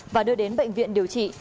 và đưa đến bệnh viện điều trị